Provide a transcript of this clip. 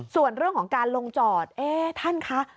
ส่วนเรื่องของการลงจอดเอ๊ะท่านคะ